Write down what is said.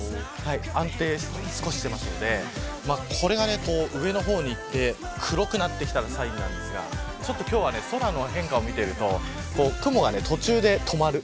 少し安定しているのでこれが上の方にいって黒くなってきたらサインなんですが今日は空の変化を見ていると雲が途中で止まる。